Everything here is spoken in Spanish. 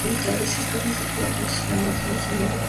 Esta danza tuvo entonces un máximo de cincuenta profesionales.